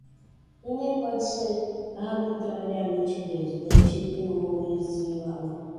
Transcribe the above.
Ninguém pode ser arbitrariamente preso, detido ou exilado.